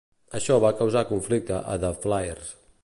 Això va causar conflicte a The Flairs.